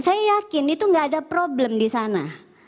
saya yakin itu nggak ada problem di sana